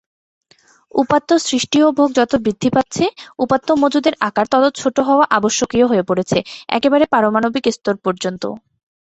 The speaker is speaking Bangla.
উপাত্ত সৃষ্টি ও ভোগ যত বৃদ্ধি পাচ্ছে, উপাত্ত মজুদের আকার তত ছোট হওয়া আবশ্যকীয় হয়ে পড়েছে, একেবারে পারমাণবিক স্তর পর্যন্ত।